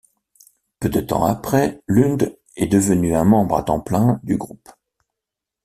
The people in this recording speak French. Peu de temps après, Lund est devenue un membre à temps plein du groupe.